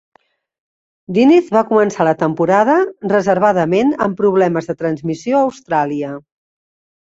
Diniz va començar la temporada reservadament amb problemes de transmissió a Austràlia.